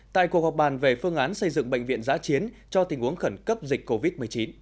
tại cuộc họp bàn về phương án xây dựng bệnh viện giã chiến cho tình huống khẩn cấp dịch covid một mươi chín